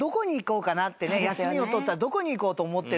休みを取ったらどこに行こうと思ってる。